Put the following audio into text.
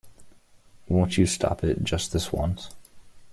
Won't you stop it just this once?